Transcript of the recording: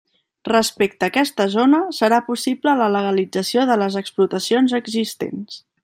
Respecte a aquesta zona, serà possible la legalització de les explotacions existents.